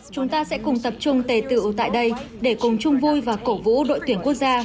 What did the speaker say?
chúng ta sẽ cùng tập trung tề tự tại đây để cùng chung vui và cổ vũ đội tuyển quốc gia